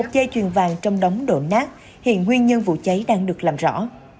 một dây chuyền vàng trong đống đồ nát hiện nguyên nhân vụ cháy đang được làm rõ